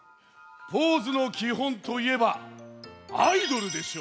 ポーズのきほんといえばアイドルでしょ。